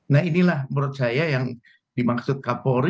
nah inilah menurut saya yang dimaksud kapolri